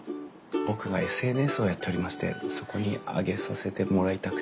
僕がＳＮＳをやっておりましてそこに上げさせてもらいたくて。